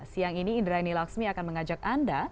siang ini indraini laksmi akan mengajak anda